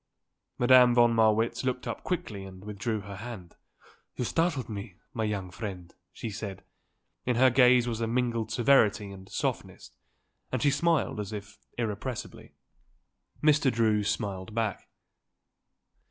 Madame von Marwitz looked up quickly and withdrew her hand. "You startled me, my young friend," she said. In her gaze was a mingled severity and softness and she smiled as if irrepressibly. Mr. Drew smiled back.